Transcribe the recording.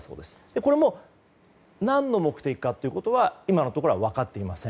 これも何の目的かは今のところは分かっていません。